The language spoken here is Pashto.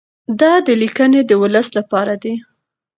د ده لیکنې د ولس لپاره دي.